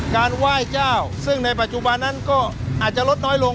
การไหว้เจ้าซึ่งในปัจจุบันนั้นก็อาจจะลดน้อยลง